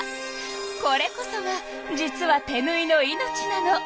これこそが実は手ぬいの命なの。